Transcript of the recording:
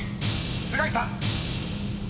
須貝さん］